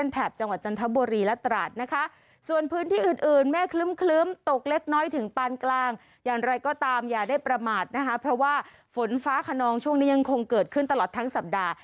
ที่อื่นแม่คลึ้มตกเล็กน้อยถึงปานกลางอย่างไรก็ตามอย่าได้ประมาทนะคะเพราะว่าฝนฟ้าขนองช่วงนี้ยังคงเกิดขึ้นตลอดทั้งสัปดาห์